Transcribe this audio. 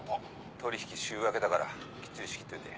取引週明けだからきっちり仕切っといて。